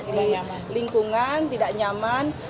ini lingkungan tidak nyaman